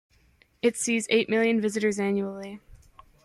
It sees eight million visitors annually.